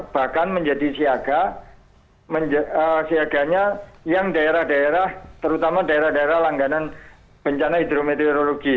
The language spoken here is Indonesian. bahkan menjadi siaga siaganya yang daerah daerah terutama daerah daerah langganan bencana hidrometeorologi